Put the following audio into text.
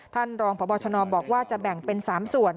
ท่านรองพบชนบอกว่าจะแบ่งเป็น๓ส่วน